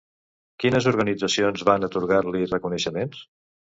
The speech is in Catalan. Quines organitzacions van atorgar-li reconeixements?